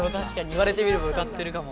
言われてみれば歌ってるかも。